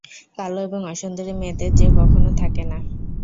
কালো এবং অসুন্দরী মেয়েদের জে কখনো থাকে না।